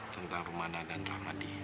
tentang rumana dan ramadi